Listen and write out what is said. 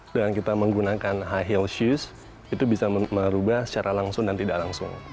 dan kita menggunakan high heels shoes itu bisa merubah secara langsung dan tidak langsung